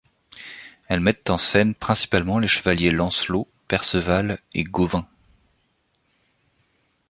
Elles mettent en scène principalement les chevaliers Lancelot, Perceval et Gauvain.